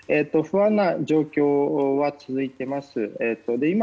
不安な状況は続いています。